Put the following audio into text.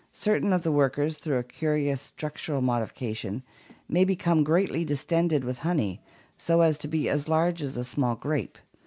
Certain of the workers through a curious structural modification may become greatly distended with honey so as to be as large as a small grape.